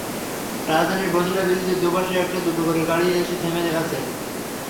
রাজধানীর বছিলা ব্রিজের দুপাশে একটা দুটো করে গাড়ি এসে থেমে আছে।